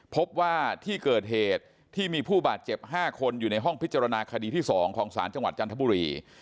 พบว่าที่เกิดเหตุที่มีผู้บาดเจ็บ๕คนอยู่ในห้องพิจารณาคดีที่๒ของศาลจังหวัดจันทบุรี